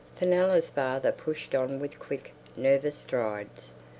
Fenella's father pushed on with quick, nervous strides.